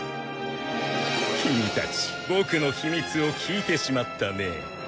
キミたちボクの秘密を聞いてしまったね。